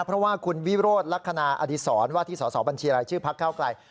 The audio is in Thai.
เพราะว่าคุณวิโรธลักษณะอดีศรว่าที่สอสอบัญชีรายชื่อพักเก้าไกล